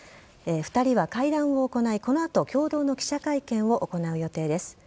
２人は会談を行いこの後共同の記者会見を行う予定です。